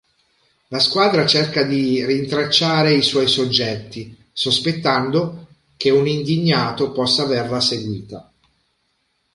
La squadra cerca di rintracciare i suoi soggetti, sospettando che un'indignato possa averla seguita.